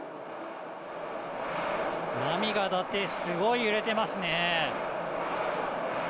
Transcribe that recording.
波が当たって、すごい揺れてますね。